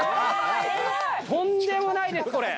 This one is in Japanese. とんでもないですこれ！